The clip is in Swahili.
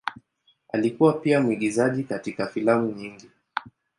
Alikuwa pia mwigizaji katika filamu nyingi.